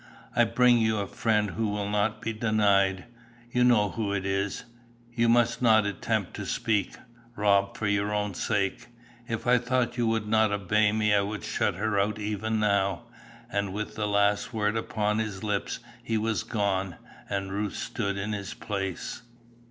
I bring you a friend who will not be denied; you know who it is. You must not attempt to speak, Rob, for your own sake. If I thought you would not obey me I would shut her out even now." And with the last word upon his lips he was gone and Ruth stood in his place.